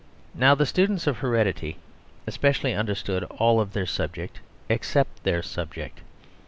Now the students of heredity, especially, understand all of their subject except their subject.